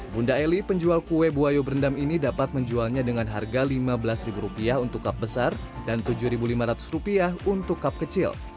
bunda eli penjual kue buaya berendam ini dapat menjualnya dengan harga rp lima belas untuk cup besar dan rp tujuh lima ratus untuk cup kecil